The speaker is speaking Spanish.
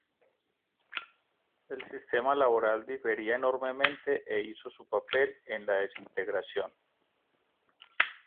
El sistema laboral difería enormemente e hizo su papel en la desintegración.